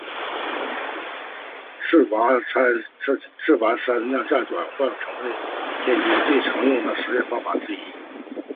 自发参量下转换已成为现今最常用的实验方法之一。